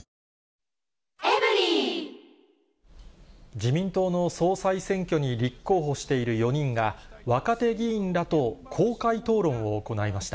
自民党の総裁選挙に立候補している４人が、若手議員らと公開討論を行いました。